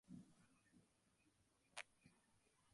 সমুদ্রযাত্রায় বেশ কিছু স্বাস্থ্যোন্নতি হয়েছে।